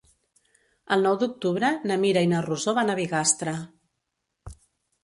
El nou d'octubre na Mira i na Rosó van a Bigastre.